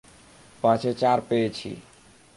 পাঁচে চার পেয়েছি!